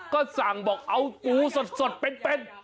ก็สั่งบอกเอาปูสดเป็น